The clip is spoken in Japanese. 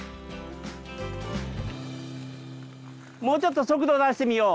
もうちょっと速度出してみよう。